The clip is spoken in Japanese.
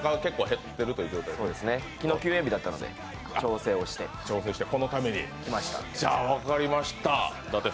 昨日、休演日だったので調整をしてきました。